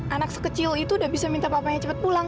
anak sekecil itu udah bisa minta papanya cepet pulang